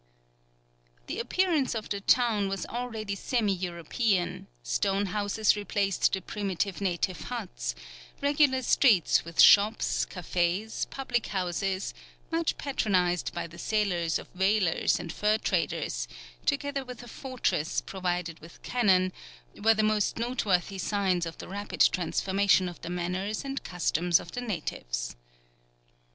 The appearance of the town was already semi European, stone houses replaced the primitive native huts, regular streets with shops, café, public houses, much patronized by the sailors of whalers and fur traders, together with a fortress provided with cannon, were the most noteworthy signs of the rapid transformation of the manners and customs of the natives.